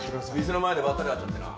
店の前でばったり会っちゃってな。